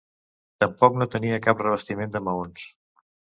Tampoc no tenia cap revestiment de maons.